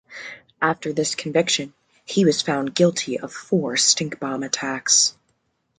After this conviction, he was found guilty of four stink bomb attacks.